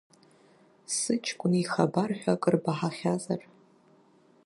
Сыҷкәын ихабар ҳәа акыр баҳахьазар?